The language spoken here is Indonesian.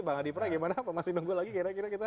bang adipra gimana masih menunggu lagi kira kira kita